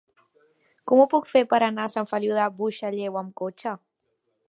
Com ho puc fer per anar a Sant Feliu de Buixalleu amb cotxe?